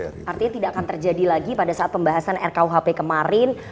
artinya tidak akan terjadi lagi pada saat pembahasan rkuhp kemarin